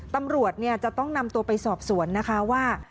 ตำรวจจะต้องนำตัวไปสอบสวนนะคะว่า